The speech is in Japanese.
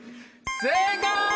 正解！